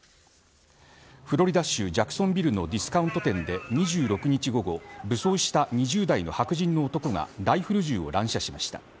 フロリダ州ジャクソンビルのディスカウント店で、２６日午後武装した２０代の白人の男がライフル銃を乱射しました。